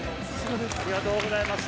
ありがとうございます。